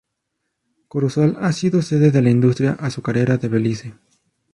Corozal ha sido sede de la industria azucarera de Belice.